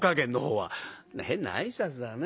「変な挨拶だね。